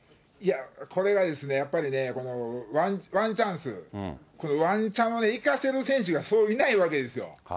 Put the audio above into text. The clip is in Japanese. これがですね、やっぱりね、ワンチャンス、このワンチャンを生かせる選手がそういないわけですよ。